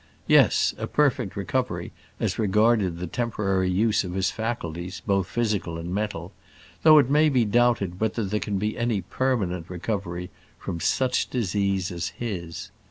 Yes; a perfect recovery as regarded the temporary use of his faculties, both physical and mental; though it may be doubted whether there can be any permanent recovery from such disease as his.